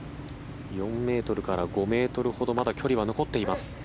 ４ｍから５ｍほどまだ距離は残っています。